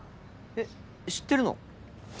えっ知ってるの？